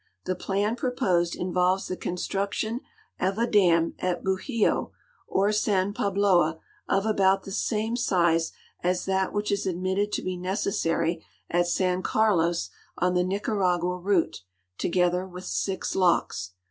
The plan ]woposed involves the construc tion of a dam at Bujio or San Pahloa of about the same size as that which is admitted to he necessary at San Carlos on the Nica ragua route, together with six locks.